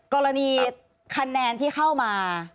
กรณีคะแนนที่เข้ามา